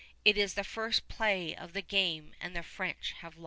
It is the first play of the game, and the French have lost.